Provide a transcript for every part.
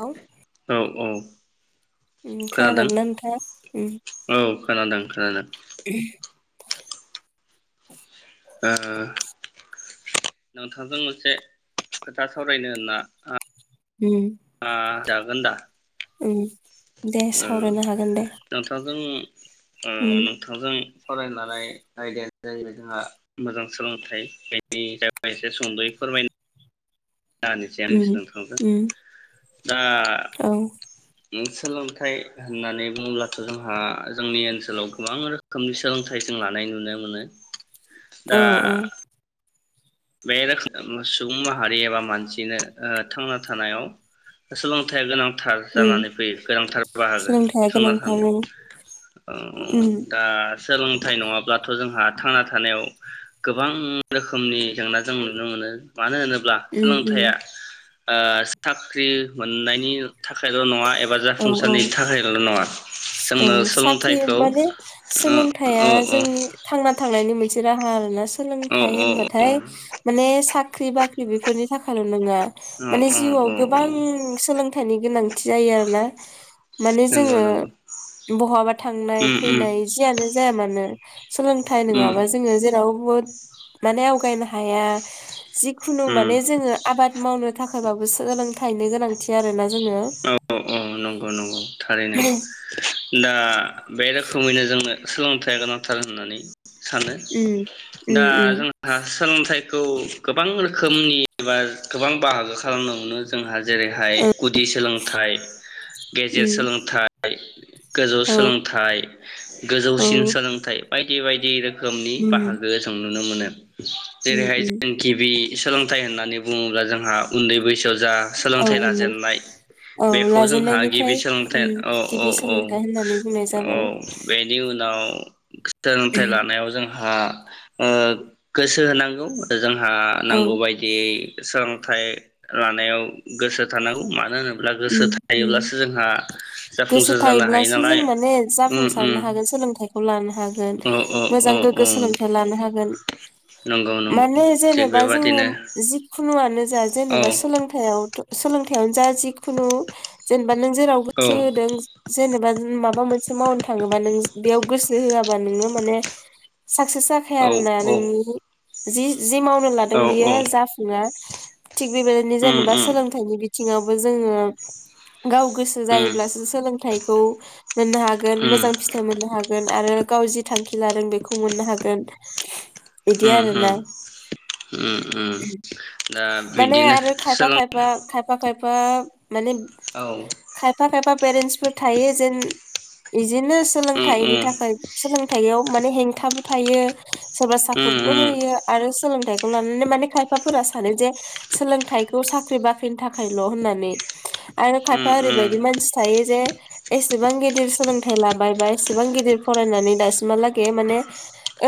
औ औ औ उम खोनादों खोनादोंना नोंथां उम औ खोनादों खोनादों उम ओ नोंथांजों मोनसे खोथा सावरायनो होनना उम आ जागोन दा उम दे ओ सावरायनो हागोन दे [inaudible] ओ उम नोंथांजों फरायनानै नायदेन जाहैबाय जोंहा मोजां सोलोंथाइ बेनि ज एसे सुंद'यै फोरमायना दानिसै आं उम सोंखांदों उम दा औ सोलोंथाइ होननानै बुङोब्लाथ जोंहा जोंनि ओनसोलाव गोबां रोखोमनि सोलोंथाइ जों लानाय नुनो मोनो औ दा औ बे रोखो सुबुं माहारि एबा मानसिनो ओ थांना थानायाव सोलोंथाइया गोनां थार उम जानानै फैयो गोनांथार बाहागो सोलोंथाइया थांना गोनांथार थानायाव उम औ उम दा सोलोंथाइ नङाब्लाथ जोंहा थांना थानायाव गोबां रोखोमनि जेंना जों नुनो मोनो मानो होनोब ब्ला सोलोंथाइया उम ओ साख्रि मोननायनि थाख थाखायल नङा एबा औ औ जाफुंसारनि थाखायल नङा जोंनो ओं साख्रि सोलोंथाइखौ माने ओ औ औ। से राहा आरोना सो सोलोंथाइ औ औ होनबाथाय माने साख्रि बाख ख्रि बेफोरनि थाखाल नोङा औ माने जिउआव औ गोबां औ सोलोंथाइनि गोनांथि आरोना। माने नंगौ जोङो नंगौ बहाबा थांनाय उम उम फैनाय जियानो जाया मानो सोलोंथाइ उम नङाबा जोङो जेराव बो माने आवगायनो हाया। जिखुनु उम माने जोङो आबाद मावनो थाखायबाबो सोलों थायनो गोनांथि आरो ना जोङो। औ औ नोंगौ नोंगौ थारैनो दा बे रोखोमैनो जों नो सोलोंथाइया गोनांथार होननानै सानो उम उम दा उम जोंहा सोलोंथाइ खौ गोबां रोखोमनि एबा गोबां बाहागो खालामनावनो जोंहा जेरैहाय गुद गुदि सोलोंथाइ गेजेर उम सोलोंथा य। गोजौ औ सोलोंथाइ औ गोजौसिन उम सोलोंथाइ। बायदि बायदि रोख खोमनि बाहागो जोंनो नुनो मोनो। उम जेरैहाय उम जों गिबि सोलोंथाइ होननानै बुङोब्ला जों हा उन्दै बैसोआव जा औ सोलोंथाइ दे लाजेननाय। औ बेखौ जोंहा गिबि लाजेननायनिफ्राय उम सोलोंथाइ औ औ गिबि औ सोलोंथाइ होननानै बुंनाय औ जाबाय बेनि उनाव [inaudible] सोलोंथाइ लानायाव जों हा ओ गोसो होनांगौ आरो जों आ औ नांगौ बायदियै सों लोंथाय लानायाव गोसो होथारनांगौ मा [unintelligible] उम उम गोसो जाफुंसार जानो हायो थायोब्लासो जों नालाय माने उम जाफुंसारनो उम हागोन सोलोंथाइखौ लानो हाग गोन औ औ मोजां गोग्गो औ सोलोंथाइ लानो हागोन नंगौ नंगौ माने थिग जेनेबा जोङो बेबादिनो जिखुनुआनो जा औ जेनेबा सोलोंथायाव सोलोंथायावनो जा जि। खुनु जेन बा नों जेराव औ गोसो होदों जेनेबा माबा मोनसे मावनो थाङोबा नों बेयाव गोसो होआबा नोङो माने। साक्सेस जाखाया औ आरोना औ नोंनि। जि। जि मावनो लादों औ बियो औ जाफुङा थिग बेबायदिनो उम जेनेबा उम सोलोंथाइनि बिथ थिङावबो जो जोङो गाव गोसो उम जायोब्लासो सोलोंथाइखौ मोननो हागोन उम मोजां फिथाइ मोननो हागोन आरो गाव जि थां खि लादों बेखौ मोननो हागोन। बिदि उम आरो उम ना उम उम दा माने बिदिनो आरो खायफा सोलों खायफा खायफा खायफ बा माने औ खायफा खायफा पेरेन्सफोर थायो जेन इज बिदिनो उम सोलोंथाइनि थाखाय सोलोंथायाव माने हेंथा। थायो सोरबा उम सापर्टबो उम होयो आरो सोलोंथाइ मानोना माने खायफाफोरा सानो जे सोलोंथाइखौ साख्रि बाख्रिनि थाख ल' होननानै आरो खायफा उम ओरैबायदि मानसि थायो जे एसेबां गिदिर सोलोंथाइ लाबाय बा एसेबां गिदिर फरायनानै दासिमहालागै माने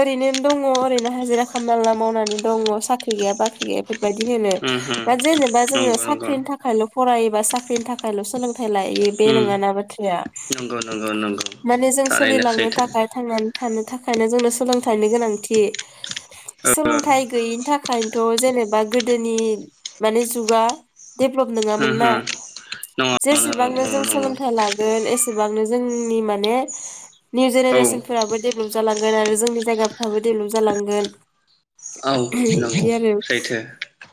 ओरैनो दङ' ओरैनो हाजिरा खामला मावनानै दङ साख्रि गैया बाख्रि गैया बेबायदि होनो उम उम बा जेनेबा जोङो नंगौ सा नंगौ ख्रिनि थाखायल' फरायो सोरबा साख्रिनि थाखायल' सोलों थाय लायो बे उम नङाना बाथ्राया नंगौ नंगौ नंगौ माने जों थारैनो सोलिलांनो सैथो थाखाय थांनानै थानो थाखायनो जोंनो सोलोंथाइनि गोनांथि ओ सोलोंथाइ हो गैयिनि थाखायनोथ' जेनेब बा गोदोनि माने जुगा डेभ्लप नङामोन ना हो नंगौ नंगौ जेसेबांनो जों औ नंगौ सोलोंथाइ लागोन एसेबांनो जोंनि माने निउ औ जेनेरेसोनफोराबो डेभेलप जालांगोन आरो जोंनि जायगाफ्राबो डेभेलप जालांगोन नंगौ बिदि आरो सैथो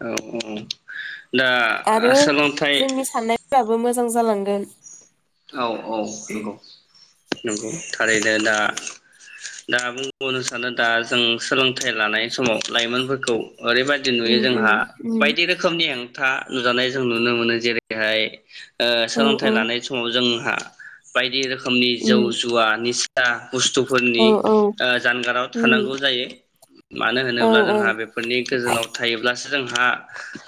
औ औ। दा आरो सोलोंथाइ जोंनि साननायफ्राबो मोज जां जालांगोन। औ औ नंगौ नंगौ थारैनो दा दा बुंबावनो सानो दा जों सोलोंथाइ लानाय समाव लाइमोनफोरखौ ओरैबायदि नुयो जोंहा उम बायदि रोखोमनि खोथा नुजानाय जों नुनो मोनो जेरैहाय ओ सोलोंथाइ उम लानाय स जोंहा बायदि रोखो खोमनि जौ उम जुवा निसा औ बुस्थुफोरनि औ ओ जानगाराव उम थानांगौ जायो मानो औ होनोब्ला औ उम औ जोंहा बेफोरनि गोजानाव थायोब्लासो जोंहा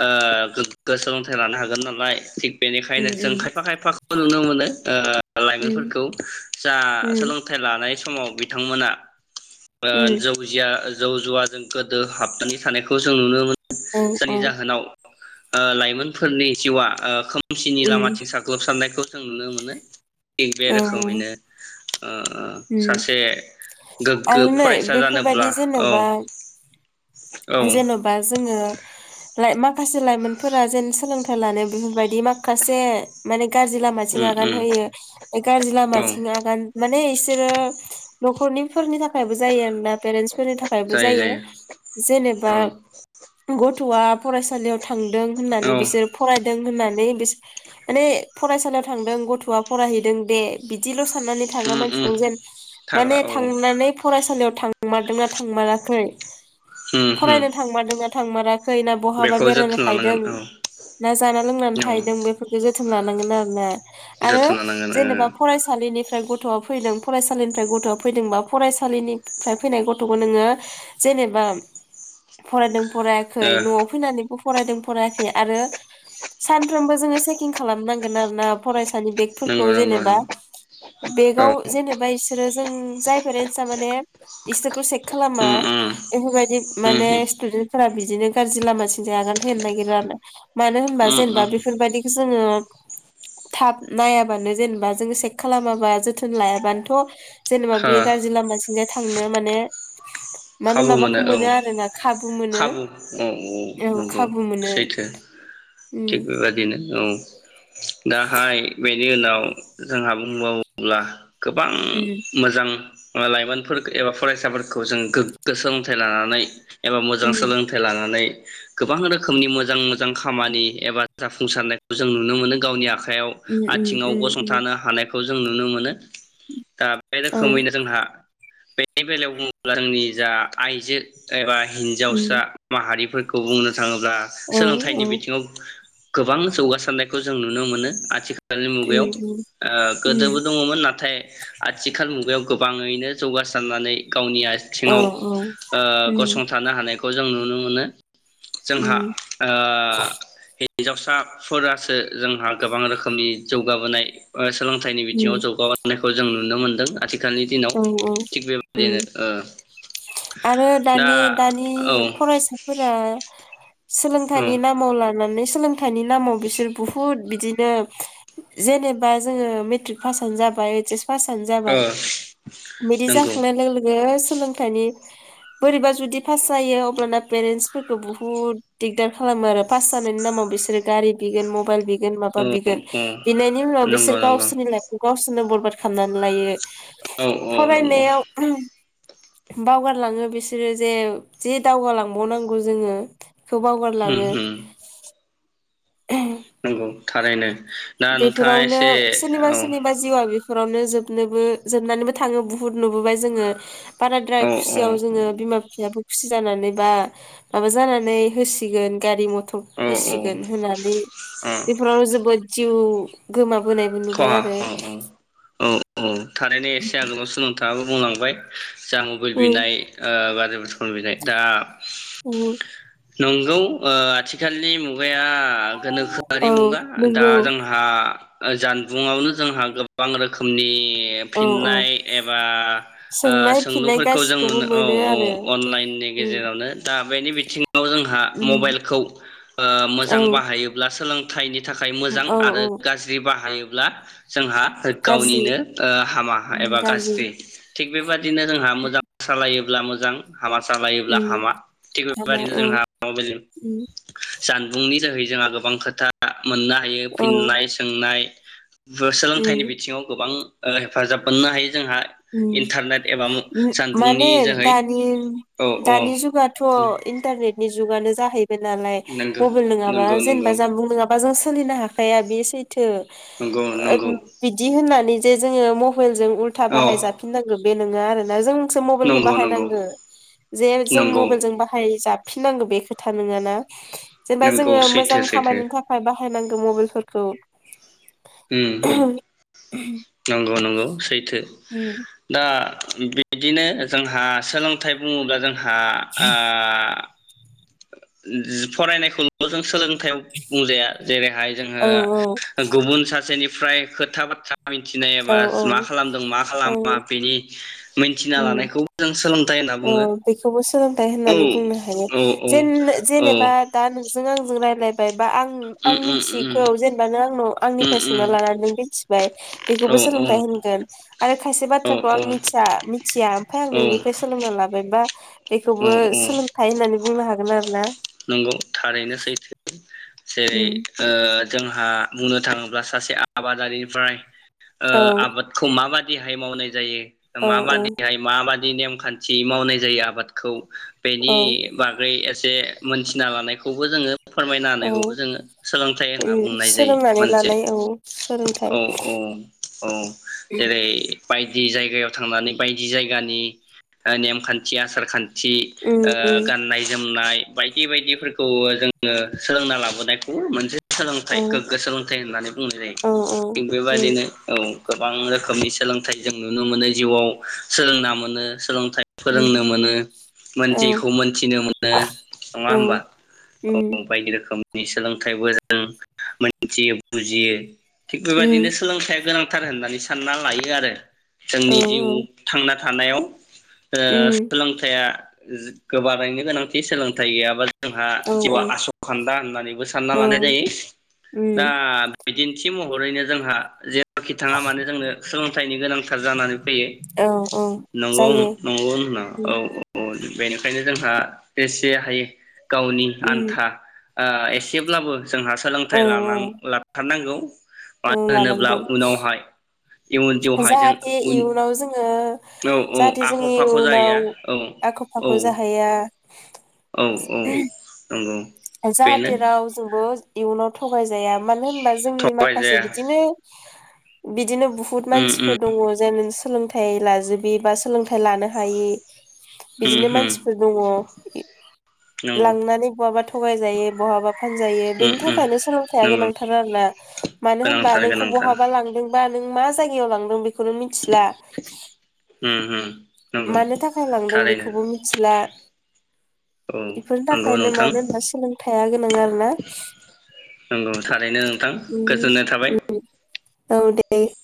ओ गोग्गो सोलोंथाइ लानो हागोन नालाय थिग बेनिखायनो उम जों खायफा खायफा नुनो मोनो ओ उम लाइमोनफोरखौ जा उम सोलोंथाइ लानाय समाव बिथांमोना ओ उम उम जौ जिया जौ जुवाजों गोदो हाबनानै थानायखौ जों नुनो मो औ जायनि औ जाहोनाव ओ लाइमोनफोरनि जिउआ ओ खोम सिनि उम लामाथिं साग्लोबसारनाय खौ जों नुनो मोनो। बे औ रोखोमैनो ओ उम सासे गोग्गो आरो नै फरायसा बेफोरबायदि जानोब्ला औ जेनबा औ जेनबा जोङो लाइ माखासे लाइमोनफोरा जेन सोलोंथाइ लानो बेफोरबायदि माखासे माने गाज्रि लामाथिं उम आगान उम होयो गाज्रि औ लामाथिं आगान माने इस सोरो न'खरनि फोरनि थाखायबो जायो आरोना पेरेन्टसफोरनि थाखायबो जायो जेनेबा औ गथ'आ फरायसालियाव था थांदों होननानै औ बिसोर फरायदों होननानै बिस माने फरायसालियाव थांदों गथ'आ फरायहैदों दे बिदिल' स साननानै थाग्रा उम उम मानसि [unintelligible] जेन थाग्रा माने औ थांनानै फरायसालियाव थांमारदोंना थांमाराखै उम उम फरायनो थांमारदों ना थांमारा खै ना बहाबा बेखौ बेरायना जोथोन थाहैदों लानांगोन औ ना जाना लोंनानै औ थाहैदों बेफोरखौ जो जोथोन लानांगोन आरोना। आरो जोथोन लानांगोन जेनेबा ओ फरायसालिनि फ्राय गथ' फैदों फरायसालिनिफ्राय गथ'आ फैदोंबा फरायसालिनिफ्राय फैनाय गथ'खौ नोङो जेनेबा फरायदों फरायाखै ओ न'आव फैनानै बो फरायदों फरायाखै आरो सानफ्रोमबो जोङो चेकिं खालामनांगोन आरोना फराय सानि बेगफोरखौ नंगौ नंगौ जेनेबा नंगौ औ बेगाव एबा इसोरो जों जाय [unintelligible] माने [unintelligible] खालामा उम उम बेफोरबायदि उम माने उम स्टुदेन्ट फोरा बिदिनो गाज्रि लामाथिंजाय आगान होनो नागिरो आरोना मानो होनबा उम उम जेनेबा बेफोरबायदिखौ जोङो थाब नायाबानो जेनेबा जोङो सेक खालामाबा जोथोन लायाबानोथ' जेनेबा हा बियो गाज्रि लामाथिंजाय थांनो माने माने खाबु माबाखौ मोनो औ आरोना खाबु मोनो खाबु औ औ नंगौ खाबु मोनो सैथो थिग उम बेबदिनो औ दाहाय बे बेनि उनाव जोंहा बुंबावोब्ला गोबां उम मोजां लाइमोनफोरखो बा एबा फरायसाफोरखौ जों गोग गो सोलोंथाइ लानानै एबा मोजां उम सोलोंथाइ लानानै गोबां रोखोमनि मोजां मोजां खामानि एबा जाफुंसारनायखौ जों नुनो मोनो गावनि आख खायाव उम आथिंङाव उम उम गसंथानो हानायखौ जों नुनो मोनो दा बे उम रोखोमैना जोंहा बेनि बेलायाव बुङोब्ला जोंनि जा आइजो एबा हिनजावसा माहारिफोर खौ बुंनो थाङोब्ला औ उम औ सोलोंथाइनि बिथिङाव गोबां जौगासारनायखौ जों नुनो मोनो आथिखाल आथिखालनि उम मुगायाव उम ओ उम गोदोबो दङमोन नाथाय आथिखाल मुगायाव गोबाङैनो जौगासारनानै गावनिया औ आथिङाव औ ओ उम गसंथानो हानाय खौ जों नुनो मोनो। जोंहा उम ओ हि हिन्जावसाफोरासो जोंहा गोबां रोखोमनि जौगाबोनाय ओ सोलों थाइनि उम बिथिंआव जौगाबोनायखौ जों नु नुनो मोनदों आथिख [unintelligible] दिनाव औ औ थिग उम बेबादिनो ओ आरो दा दानि दानि औ फरायसाफोरा औ सोलोंथाइनि नामाव ला [unintelligible] सोलों थाइनि नामाव बिसोर बुहुत बिदि [unintelligible] जेनेबा जोङो मेट्रिक पासआनो जाबाय ओइस एस क्लासानो ओ जाबाय बिदि नंगौ जाखांनाय लोगो लोगो सोलों बोरैबा जुदि पास जायो अब्लाना पेरेन्टसफोरखौ बुहुत दिगदार खालामो आरो पास जानायनि नामाव बिसोरो गारि बिगोन मबाइल बिगोन जेन माबा औ बिगोन औ बिनायनि उनाव नंगौ बिसोर नंगौ गावसोरनि लाइफखौ गावसोर नों बरबाद खालामनानै लायो औ औ नंगौ फरायनायाव ओम बावगारलाङो बिसोरो जे जे दावगालांबावनांगौ जोङो खौ बावगारलाङो नोंंगौ थारैनो दा नोंथाङा बेफोरावनो एसे सोरनिबा औ सोरनिबा जिउआ बेफ नखरावनो जोबनोबो जोबनानैबो थाङो बुहुत नुबोबाय जोङो बाराद्राय औ खुसियाव जोङो बिमा बिफायाबो खुसि जानानै बा माबा जानानै होसिगोन गारि मथ [unintelligible] औ औ होसिगोन होनानै अ बेफोराव जोबोद जिउ गोमाब ख आ ओम ओम औ ओ थारैनो एसे आगोलावसो नोंथाङा बुं बुंलांबाय जा मबइल उम बिनाय ओ बारे बारे [unintelligible] दा उम जों नों ओ आथिखालनि मुगा मुगाया गोनोखोआरि औ मुगा दा नंगौ जोंहा [unintelligible] बुङावनो जोंहा गोबां रोखोमनि ए औ औ फिननाय एबा ओ सोंनाय फिननाय सोंलुफोरखौ जों गासिखौबो मोनो औ औ आरो अनलाइननि उम गेजेरावनो दा मानि बिथिं जोंहा उम मबाइलखौ ओ मोजां औ बाहायोब्ला सोलों [unintelligible] थाखाय औ मोजां आरो औ गाज्रि बाहायो ब्ला जोंहा गाज्रि गावनिनो ओ हामा एबा गाज्रि थिग बेबादिनो जोंहा मोजां सालायो जब्ला मोजां हामा सालायोब्ला उम हामा थिग हाबा बेबायदिनो औ जोंहा माबे उम जानबुंनि जोहै जोंहा गोबां खोथा मोननो हायो औ फिननाय सोंनाय [inaudible] सोलोंथाइनि उम बिथिङाव गोबां हेफाजाब मोननो हायो जोंहा ओम इन्टारनेट एबा माने जानबुंनि जोहै दानि औ औ दानि जुगाथ' इन्टारनेटनि जुगानो जाहै नालाय नंगौ मबाइल नङाबा नंगौ जेनेबा नंगौ जानबुं नङाबा जों सोलिनो हा हाया बे सैथो नंगौ नंगौ थो बिदि होननानै जे जोङो मबाइल जों औ बाहाय जाफिनांगोन बे नोङा आरो ना जों। सो मबेलखो नंगौ बाहाय नंगौ नागौ नंगौ फिननांगौ बे खोथा नोङाना जेनेबा नंगौ जोङो मोजां सैथो सैथो खामानिनि थाखाय बा नायनांगौ मबाइलफोरखौ। ओम ओम नंगौ नंगौ सैथो। ओम। आ [inaudible] बिदिनो जोंहा सोलोंथाइ बुङोब्ला जों हा आ जि फरायनायखौल' [unintelligible] जों सोलों [inaudible] बुंजाया जेरैहाय जोङो औ गुबुन सासेनि फ्राय खोथा बाथ्रा औ मिथिनायाबा औ मा खालामदों मा खालामा औ बेनि मिथिना लानायखौ [inaudible] जों सोलों अ बेखौबो सोलोंथाइ होननानै बुंनो हायो। औ जेन औ जेनेबा दा नों जों आंजों रायलायबाय बा आं आं उम मिथियैखौ जेनेबा नों आंनाव उम आंनिफ्राय सोंना लानानै नों मिथिबाय उम औ बेखौबो सोलोंथाइ होनगोन। [inaudible] आरो खायसे बाथ्राखौ आं मिथिया मिथिया फ्राय आं औ नोंनिफ्राय सोलोंना लाबाय दा औ बेखौबो औ सोलोंथाइ होननानै बुंनो हागोन आरो। ना? नंगौ थारैनो सैथो [inaudible] [inaudible] जेरै उम ओ जोंहा बुंनो थाङोब्ला सासे आबा दारिनिफ्राय ओ औ आबादखौ माबादि रेहाय मावनाय जायो औ मा औ बादि हाय माबाद नि नेमखान्थि मावनाय जायो आबादखौ औ बेनि बागै जे मोनथिना लानायखौबो जोङो फोरमायनो हानाय औ सोलोंथाइ होनना उम बुंनाय जायो सोलोंनानै मोनसे लानाय औ सोलोंथाइ औ औ औ जेरै बायदि जायगायाव थांनानै बायदि जायगानि नेमखान्थि आसारखान्थि जि उम ओ उम गाननाय जोमनाय बायदि बायदिफोरखौ जोङो सोलोंना लाबोनायखौ मोनसे औ सोलोंथाइ गोग्गो सोलोंथाइ होननानै बुंनाय जायो औ औ थिग उम बेबायादिनो औ गोबां रोखोमनि सोलोंथाइ जों नुनो मोनो जिउआव सोलोंना मोनो सोलों जायो फोरोंनो मोनो मोनथिखौ मोनथिनो मोनो नङा होमबा औ बायदि रोखोम नि सोलोंथाइबो जों मोनथियो बुजियो थिग बेबायदिनो सोलोंथया गोनां थार होननानै साना लायो आरो जोंनि इउन थांना थानायाव ओ सोलोंथाइआ [unintelligible] गोनांथि सोलोंथाइ गैयाबा [unintelligible] जिउआ आस' खान्दा होननानैबो सानना लानाय जायो दा बिदिन्थि महरैनो जोंहा जे [unintelligible] थाङा मानोे जोंनो सोलोंथाइनि गोनांथार जानानै फैयो नंगौ नंगौ होनना औ औ औ बेनिखायनो जोंहा एसे हायो गावनि आन्था ओ एसेब्लाबो जोंहा औ सोलोंथाइ लान लाथारनांगौ औ मानो होनोब्ला लानांगौ उनावहाय इयुन जिउहाय जों जाहाथे उन इयुनाव जोङो औ औ जाहाथे आख' जोंनि फाख' उनाव जाहैया औ आख' औ फाख' जाहैया औ औ नंगौ बेनो जाहाथे रावजोंबो [unintelligible] [unintelligible] मानो होनबा जोंनि माखासे थगायजाया बिदिनो बिदिनो बुहुत उम उम मानसिफोर दङ जाय [unintelligible] सोलोंथाइ लाजोबो बा सोलोंथाइ लानो हायि उम बिदिनो उम मानसिफोर दङ नंगौ लांनानै बहाबाथ' थगाय जायो बहाबा फानजायो उम बेनि उम थाखायनो सोलोंथाइया नंगौ गोनांथार आरोना मानो होनबा गोनांथार नोंखौ गोनांथार बहाबा लांदोंबा नों मा जायगायाव लांदों बे मिथिला उम उम नंगौ मानो थाखाय लांदों थारैनो बेखौबो मिथिला औ बेफोरनि नंगौ थाखायनो नोंथां मानो सोलोंथाया गोनां आरोना नंगौ थारैनो नोंथां गोजोननाय थाबाय [unintelligible] औ दे दे